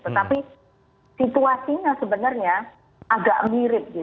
tetapi situasinya sebenarnya agak mirip